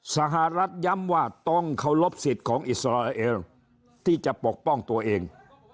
สหรัฐย้ำว่าต้องเคารพสิทธิ์ของอิสราเอลที่จะปกป้องตัวเอง